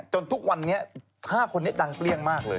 ทุกวันนี้๕คนนี้ดังเปรี้ยงมากเลย